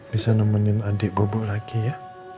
bisa nemenin adik bubuk lagi ya